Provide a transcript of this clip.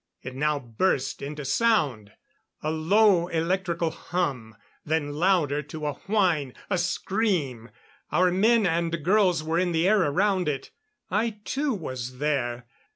It now burst into sound. A low electrical hum; then louder to a whine a scream. Our men and girls were in the air around it. I too was there.